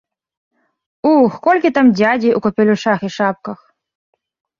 Ух, колькі там дзядзей у капелюшах і шапках!